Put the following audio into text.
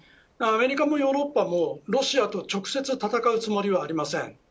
アメリカもヨーロッパもロシアと直接戦うつもりはありません。